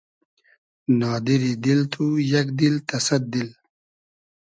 نادیری دیل تو یئگ دیل تۂ سئد دیل